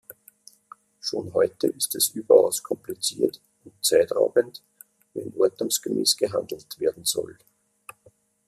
Schon heute ist es überaus kompliziert und Zeit raubend, wenn ordnungsgemäß gehandelt werden soll.